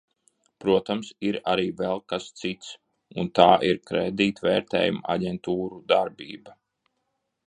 Protams, ir arī vēl kas cits, un tā ir kredītvērtējuma aģentūru darbība.